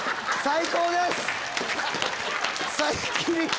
最高です！